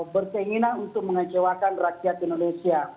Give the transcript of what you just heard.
berkeinginan untuk mengecewakan rakyat indonesia